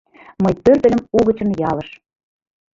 Мый пӧртыльым угычын ялыш.